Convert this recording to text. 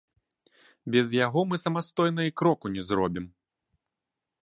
Без яго мы самастойна і кроку не зробім.